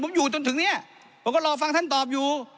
ผมอยู่จนถึงเนี่ยผมก็รอฟังท่านตอบอยู่